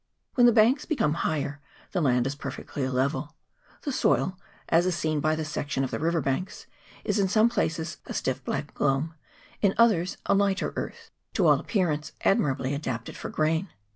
When the banks become higher, the land is perfectly level ; the soil, as is seen by the section of the river banks, is in some places a stiff black loam, in others a lighter earth, to all appearance admirably adapted for grain.